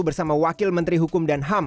bersama wakil menteri hukum dan ham